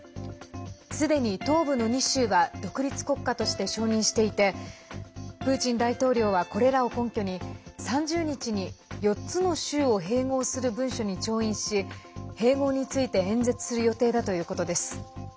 すでに東部の２州は独立国家として承認していてプーチン大統領はこれらを根拠に３０日に、４つの州を併合する文書に調印し併合について演説する予定だということです。